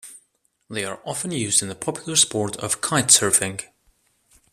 They are often used in the popular sport of kite surfing.